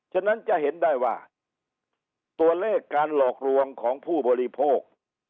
ฉะนั้นจะเห็นได้ว่าตัวเลขการหลอกลวงของผู้บริโภค